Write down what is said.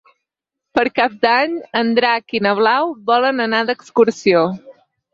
Per Cap d'Any en Drac i na Blau volen anar d'excursió.